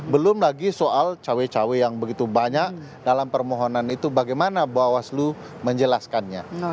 belum lagi soal cawe cawe yang begitu banyak dalam permohonan itu bagaimana bawaslu menjelaskannya